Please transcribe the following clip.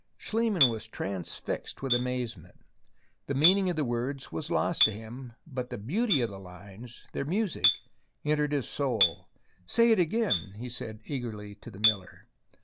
Schliemann was transfixed with amazement. The meaning of the words was lost to him, but the beauty of the lines, their music, entered his soul. 164 THE ROMANCE OF EXCAVATION " Say it again," he said eagerly to the miller.